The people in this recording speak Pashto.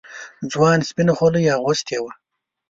ځوان سپينه خولۍ اغوستې وه.